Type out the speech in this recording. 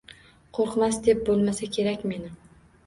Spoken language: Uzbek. — Qoʻrqmas deb boʻlmasa kerak meni.